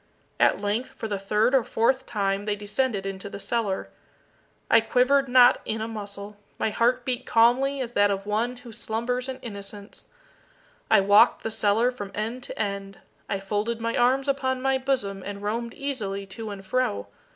At length, for the third or fourth time they descended into the cellar. I quivered not in a muscle. My heart beat calmly as that of one who slumbers in innocence. I walked the cellar from end to end. I folded my arms upon my bosom, and roamed easily to and fro.